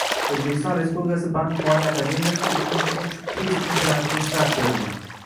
O‘zbekiston Respublikasi Bank-moliya akademiyasida Uchinchi ochiq keys-chempionatiga start berildi